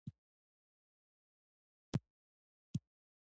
که دلته يي رانه کړ